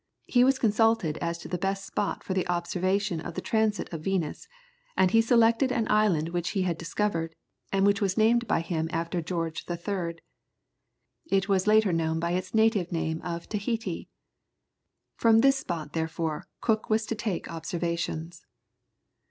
He was consulted as to the best spot for the observation of the transit of Venus, and he selected an island which he had discovered, and which was named by him after George III. It was later known by its native name of Tahiti. From this spot therefore Cook was to take observations.